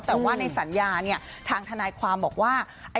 แต่ว่าในสัญญาเนี่ยทางทนายความบอกว่า